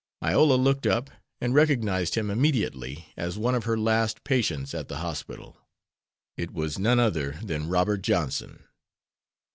Iola looked up, and recognized him immediately as one of her last patients at the hospital. It was none other than Robert Johnson.